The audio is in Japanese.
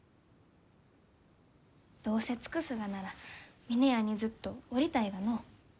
どうせ尽くすがなら峰屋にずっとおりたいがのう。